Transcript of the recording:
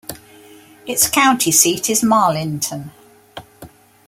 Its county seat is Marlinton.